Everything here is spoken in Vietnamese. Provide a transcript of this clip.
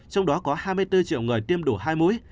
trong đó có hai mươi bốn triệu người tiêm đủ hai mũi